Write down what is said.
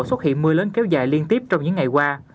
xuất hiện mưa lớn kéo dài liên tiếp trong những ngày qua